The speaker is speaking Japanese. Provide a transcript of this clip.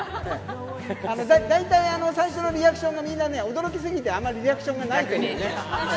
大体、最初のリアクションがね、驚き過ぎてあんまりリアクションがないというね。